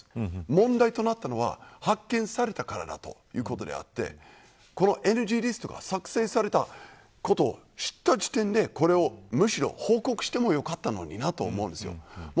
問題となったのは発見されたからだということであってこのＮＧリストが作成されたことを知った時点でむしろ報告してもよかったのになと思うんです。